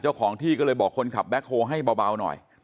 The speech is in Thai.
เจ้าของที่ก็เลยบอกคนขับแบ็คโฮลให้เบาหน่อย